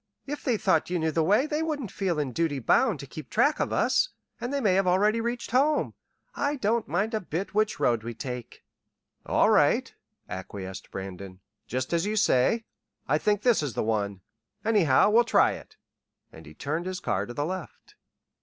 If they thought you knew the way they wouldn't feel in duty bound to keep track of us, and they may have already reached home. I don't mind a bit which road we take." "All right," acquiesced Brandon. "Just as you say. I think this is the one. Anyhow, we'll try it." And he turned his car to the left.